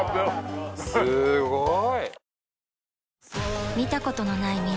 すごい！